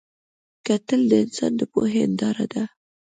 کتل د انسان د پوهې هنداره ده